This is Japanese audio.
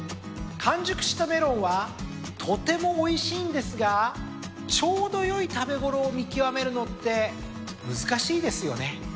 完熟したメロンはとてもおいしいんですがちょうどよい食べ頃を見極めるのって難しいですよね。